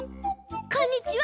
こんにちは！